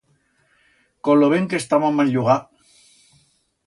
Con lo ben que estábam a'l llugar.